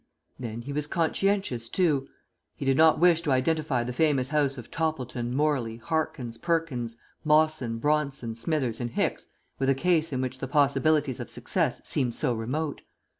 Then he was conscientious, too. He did not wish to identify the famous house of Toppleton, Morley, Harkins, Perkins, Mawson, Bronson, Smithers and Hicks with a case in which the possibilities of success seemed so remote.